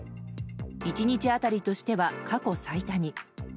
１日当たりとしては過去最多に。